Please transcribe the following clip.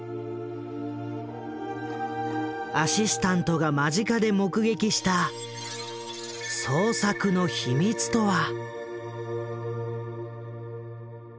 アシスタントが間近で目撃した創作の秘密とは？